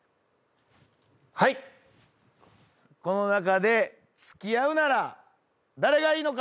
この中で付き合うなら誰がいいのか。